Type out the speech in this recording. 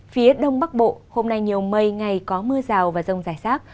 phía đông bắc bộ hôm nay nhiều mây ngày có mưa rào và rông giải sát